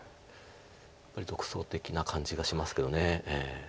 やっぱり独創的な感じがしますけど。